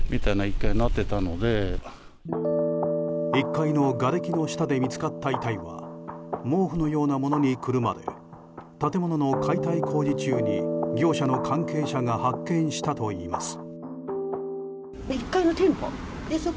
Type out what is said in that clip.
１階のがれきの下で見つかった遺体は毛布のようなものにくるまれ建物の解体工事中に業者の関係者が発見したといいます。